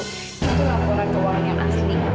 itu laporan keuangan yang asli